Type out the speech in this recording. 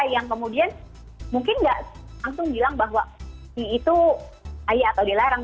yang kemudian mungkin nggak langsung bilang bahwa itu ayo atau dilarang